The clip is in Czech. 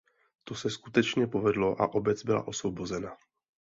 To se skutečně povedlo a obec byla osvobozena.